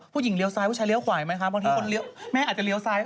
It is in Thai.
เลี้ยซ้ายผู้ชายเลี้ยขวาไหมคะบางทีคนเลี้ยวแม่อาจจะเลี้ยวซ้าย